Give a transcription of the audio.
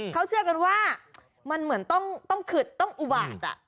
เขาเชื่อกันว่ามันเหมือนต้องขึดต้องอุบาต